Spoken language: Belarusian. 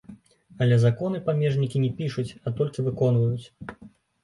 Але законы памежнікі не пішуць, а толькі выконваюць.